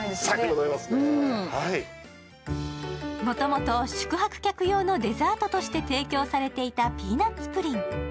もともと宿泊客用のデザートとして提供されていたピーナッツプリン。